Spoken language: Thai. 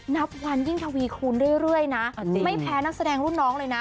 นับวันยิ่งทวีคูณเรื่อยนะไม่แพ้นักแสดงรุ่นน้องเลยนะ